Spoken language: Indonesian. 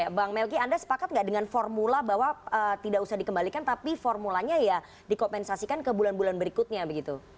oke bang melki anda sepakat nggak dengan formula bahwa tidak usah dikembalikan tapi formulanya ya dikompensasikan ke bulan bulan berikutnya begitu